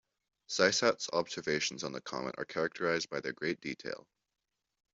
Cysat's observations on the comet are characterized by their great detail.